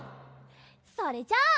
それじゃあ。